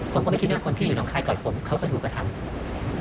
ผมก็ไม่คิดว่าคนที่อยู่หนองคลายกับผมเขาก็ถูกประทับ